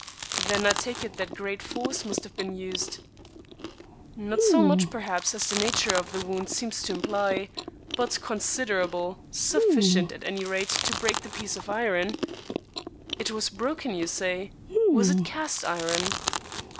"Then I take it that great force must have been used?" "Not so much, perhaps, as the nature of the wound seems to imply; but considerable sufficient, at any rate, to break the piece of iron." "It was broken, you say? Was it cast iron?"